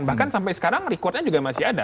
bahkan sampai sekarang recordnya juga masih ada